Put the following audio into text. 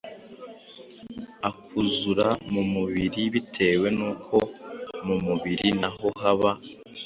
akuzura mu mubiri bitewe nuko mu mubiri naho haba